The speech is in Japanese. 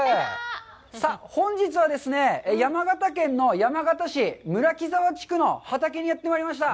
さあ、本日はですね、山形県の山形市村木沢地区の畑にやってまいりました。